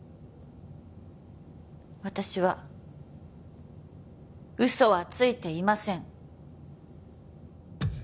私は嘘はついていません。